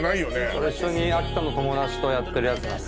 これ一緒に秋田の友達とやってるやつなんです。